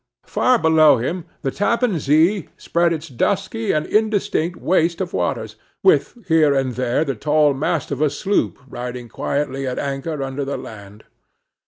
Far below him the Tappan Zee spread its dusky and indistinct waste of waters, with here and there the tall mast of a sloop, riding quietly at anchor under the land.